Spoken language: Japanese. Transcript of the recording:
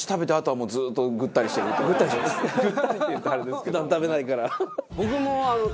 普段食べないから。